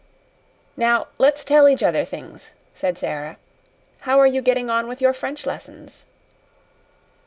"Now let's tell each other things," said Sara. "How are you getting on with your French lessons?"